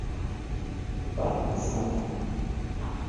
But it's nothing.